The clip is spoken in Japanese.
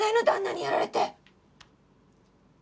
旦那にやられて。